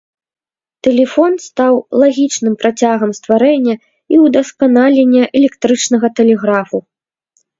Тэлефон стаў лагічным працягам стварэння і ўдасканалення электрычнага тэлеграфу.